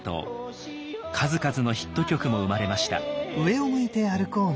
数々のヒット曲も生まれました。